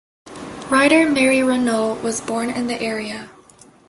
Writer Mary Renault was born in the area.